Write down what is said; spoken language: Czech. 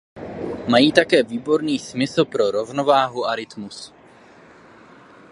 Mají také výborný smysl pro rovnováhu a rytmus.